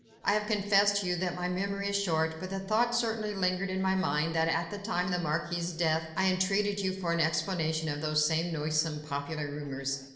I have confessed to you that my memory is short, but the thought certainly lingered in my mind that, at the time of the Marquis' death, I entreated you for an explanation of those same noisome popular rumours.